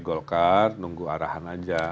golkar nunggu arahan aja